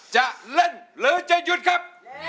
จะเล่นหรือจะหยุดครับ